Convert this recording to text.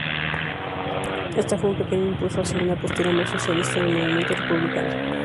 Éste fue un pequeño impulso hacia una postura más socialista del movimiento republicano.